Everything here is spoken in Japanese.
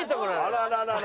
あららら。